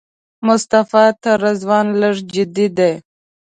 مصطفی تر رضوان لږ جدي دی.